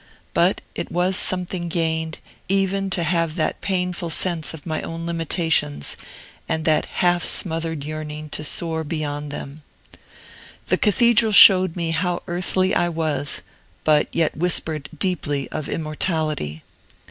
But it was something gained, even to have that painful sense of my own limitations, and that half smothered yearning to soar beyond them. The cathedral showed me how earthly I was, but yet whispered deeply of immortality.